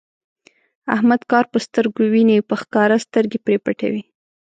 احمد کار په سترګو ویني، په ښکاره سترګې پرې پټوي.